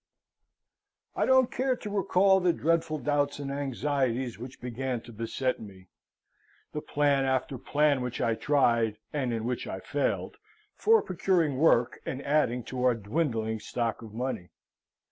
I don't care to recall the dreadful doubts and anxieties which began to beset me; the plan after plan which I tried, and in which I failed, for procuring work and adding to our dwindling stock of money.